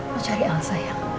mau cari al sayang